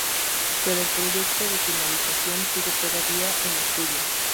Pero el proyecto de finalización sigue todavía en estudio.